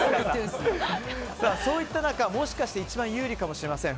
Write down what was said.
そういった中、もしかして一番有利かもしれません。